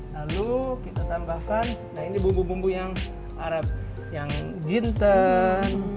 lalu kita tambahkan nah ini bumbu bumbu yang arab yang jinten